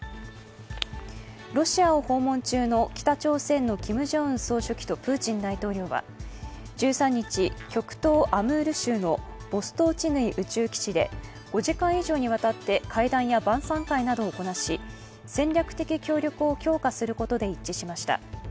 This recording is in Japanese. ロシアを訪問中の北朝鮮のキム・ジョンウン総書記とプーチン大統領は１３日、極東アムール州のボストーチヌイ宇宙基地で５時間以上にわたって会談や晩さん会などをこなし戦略的協力を強化することで一致しました。